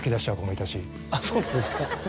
そうなんですか。